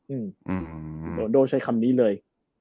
อืมโดโดใช้คำนี้เลย